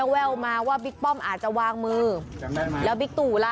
แววมาว่าบิ๊กป้อมอาจจะวางมือแล้วบิ๊กตู่ล่ะ